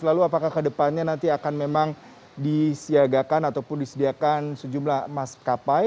lalu apakah ke depannya nanti akan memang disediakan sejumlah maskapai